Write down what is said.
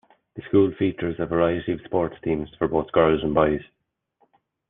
The school features a variety of sports teams for both girls and boys.